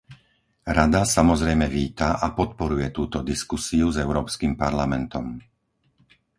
Rada samozrejme víta a podporuje túto diskusiu s Európskym parlamentom.